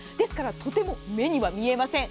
とても目には見えません。